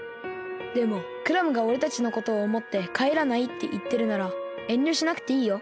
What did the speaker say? でもクラムがおれたちのことをおもってかえらないっていってるならえんりょしなくていいよ。